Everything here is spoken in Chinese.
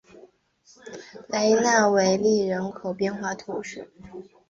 雷讷维勒人口变化图示